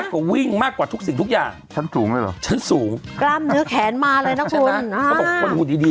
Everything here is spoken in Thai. พวนน้ำอย่างงี้